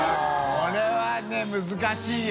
これはね難しいよ。